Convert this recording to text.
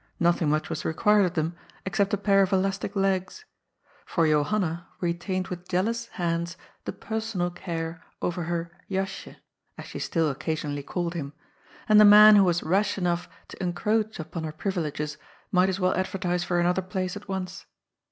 Nothing much was required of them, except a pair of elastic legs. For Johanna retained with jealous hands the person al care over her '^ Jasje," as she still occasionally called him, and the man who was rash enough to encroach upon her privileges might as well advertise for another place at once.